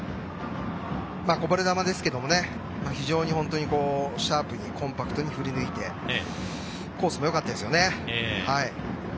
こぼれ球でしたけど非常にシャープにコンパクトに振り抜いてコースもよかったですよね。